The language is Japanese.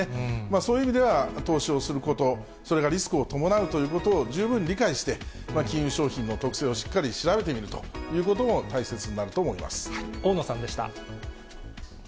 そういう意味では、投資をすること、それがリスクを伴うということを十分理解して、金融商品の特性をしっかり調べてみるということも大切になると思大野さんでした。